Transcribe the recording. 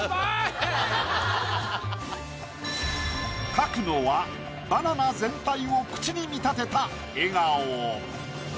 描くのはバナナ全体を口に見立てた笑顔。